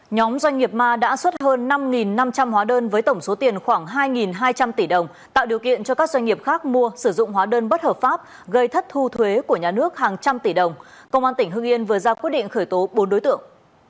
nhóm doanh nghiệp ma đã xuất hơn năm năm trăm linh hóa đơn với tổng số tiền khoảng hai hai trăm linh tỷ đồng tạo điều kiện cho các doanh nghiệp khác mua sử dụng hóa đơn bất hợp pháp gây thất thu thuế của nhà nước hàng trăm tỷ đồng công an tỉnh hưng yên vừa ra quyết định khởi tố bốn đối tượng